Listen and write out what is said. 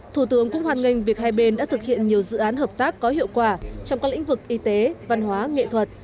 thủ tướng cũng hoàn ngành việc hai bên đã thực hiện nhiều dự án hợp tác có hiệu quả trong các lĩnh vực y tế văn hóa nghệ thuật